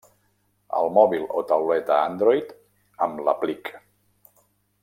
Al mòbil o tauleta Android amb l'aplic.